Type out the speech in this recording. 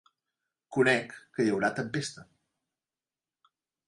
Conec que hi haurà tempesta.